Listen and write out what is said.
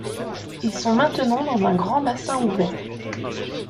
Ils sont maintenus dans un grand bassin ouvert.